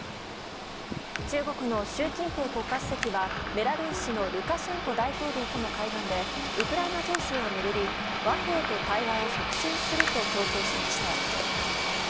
中国の習近平国家主席はベラルーシのルカシェンコ大統領との会談でウクライナ情勢を巡り和平と対話を促進すると強調しました。